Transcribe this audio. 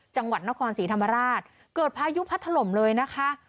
จังหวัดนครศรีธรรมราชเกิดพายุพัดถล่มเลยนะคะ